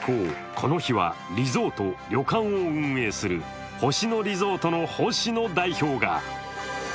この日は、リゾート、旅館を運営する星野リゾートの星野代表が！